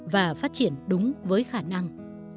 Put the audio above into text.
và phát triển đúng với khả năng